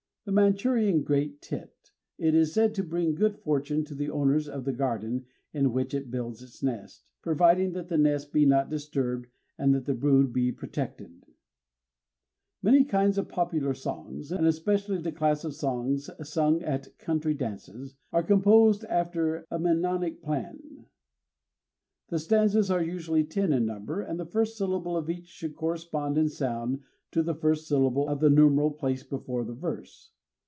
_ The Manchurian great tit. It is said to bring good fortune to the owners of the garden in which it builds a nest, providing that the nest be not disturbed and that the brood be protected. Many kinds of popular songs and especially the class of songs sung at country dances are composed after a mnemonic plan. The stanzas are usually ten in number; and the first syllable of each should correspond in sound to the first syllable of the numeral placed before the verse.